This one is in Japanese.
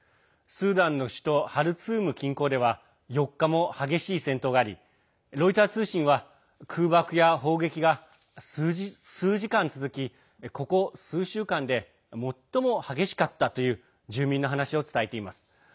スーダンの首都ハルツーム近郊では４日も激しい戦闘がありロイター通信は空爆や砲撃が数時間続きここ数週間で最も激しかったという住民の話を伝えています。